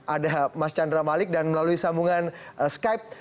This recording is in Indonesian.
ada mas chandra malik dan melalui sambungan skype